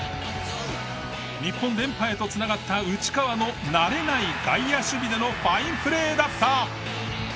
日本連覇へと繋がった内川の慣れない外野守備でのファインプレーだった。